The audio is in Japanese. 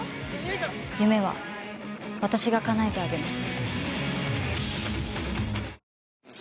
夢は私がかなえてあげます。